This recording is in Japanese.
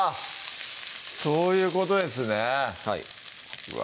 そういうことですねはいうわ